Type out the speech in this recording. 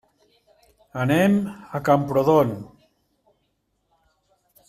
Anem a Camprodon.